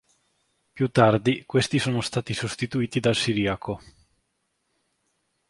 Più tardi questi sono stati sostituiti dal Siriaco.